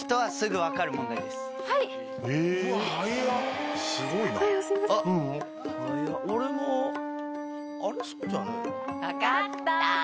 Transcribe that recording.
分かった！